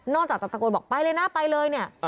จากจะตะโกนบอกไปเลยนะไปเลยเนี่ย